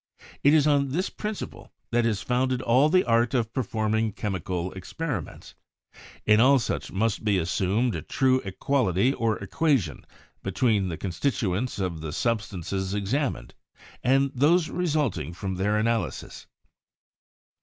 It is on this principle that is founded all the art of perform ing chemical experiments; in all such must be assumed a true equality or equation between the constituents of the substances examined, and those resulting from their analy sis."